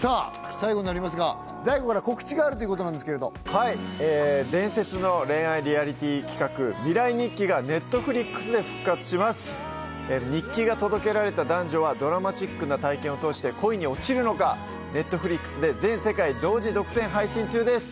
最後になりますがＤＡＩＧＯから告知があるということなんですけれどはい伝説の恋愛リアリティー企画「未来日記」がＮｅｔｆｌｉｘで復活します日記が届けられた男女はドラマチックな体験を通して恋に落ちるのかＮｅｔｆｌｉｘで全世界同時独占配信中です